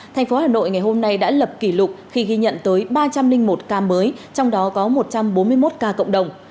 tp hcm ngày hôm nay đã lập kỷ lục khi ghi nhận tới ba trăm linh một ca mới trong đó có một trăm bốn mươi một ca cộng đồng